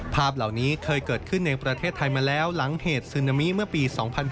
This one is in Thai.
ภาพเหล่านี้เคยเกิดขึ้นในประเทศไทยมาแล้วหลังเหตุซึนามิเมื่อปี๒๕๔